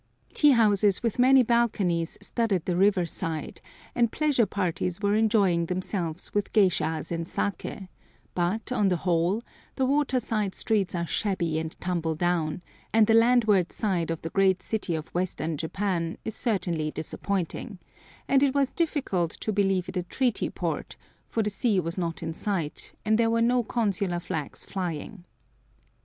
Tea houses with many balconies studded the river side, and pleasure parties were enjoying themselves with geishas and saké, but, on the whole, the water side streets are shabby and tumble down, and the landward side of the great city of western Japan is certainly disappointing; and it was difficult to believe it a Treaty Port, for the sea was not in sight, and there were no consular flags flying.